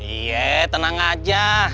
iya tenang aja